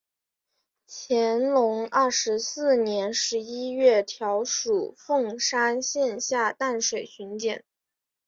乾隆二十四年十一月调署凤山县下淡水巡检。